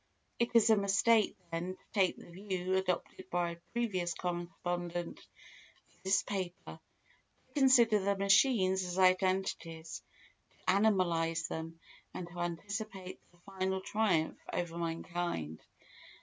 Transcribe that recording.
It is a mistake, then, to take the view adopted by a previous correspondent of this paper; to consider the machines as identities, to animalise them, and to anticipate their final triumph over mankind.